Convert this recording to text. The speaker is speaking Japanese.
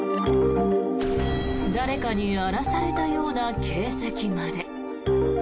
誰かに荒らされたような形跡まで。